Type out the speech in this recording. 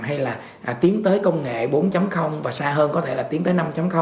hay là tiến tới công nghệ bốn và xa hơn có thể là tiến tới năm